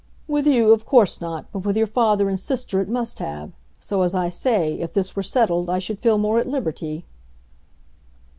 "With you, of course not; but with your father and sister it must have. So, as I say, if this were settled, I should feel more at liberty."